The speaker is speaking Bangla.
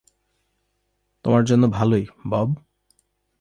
তোমার জন্য ভালোই, বব।